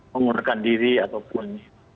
menggunakan diri ataupun